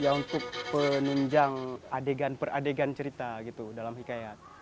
ya untuk penunjang adegan peradegan cerita gitu dalam hikayat